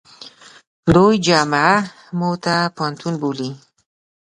دوی جامعه موته پوهنتون بولي.